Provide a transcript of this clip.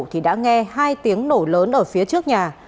thì đã nghe hai tiếng nổ lớn ở phía trước nhà